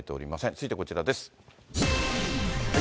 続いてこちらです。